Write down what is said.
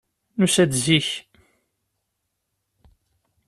Nusa-d zik.